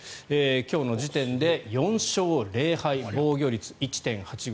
今日の時点で４勝０敗防御率１．８５